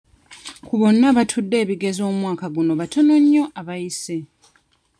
Ku bonna abaatudde ebigezo omwaka guno batono nnyo abaayise.